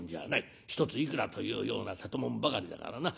一ついくらというような瀬戸物ばかりだからな